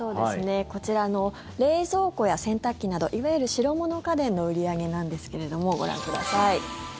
こちらの冷蔵庫や洗濯機などいわゆる白物家電の売り上げなんですけれどもご覧ください。